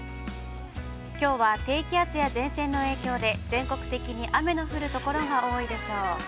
きょうは低気圧や前線の影響で全国的に雨の降るところが多いでしょう。